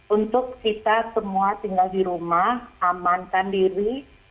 untuk kita semua tinggal di rumah amankan diri